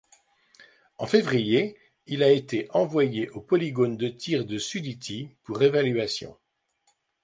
En février, il a été envoyé au polygone de tir de Sudiți pour évaluation.